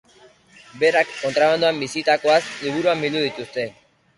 Berak kontrabandoan bizitakoaz liburuan bildu dituzte.